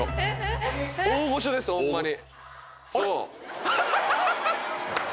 大御所ですホンマに。